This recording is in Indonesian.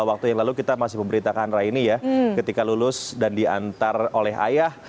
waktu yang lalu kita masih memberitakan raini ya ketika lulus dan diantar oleh ayah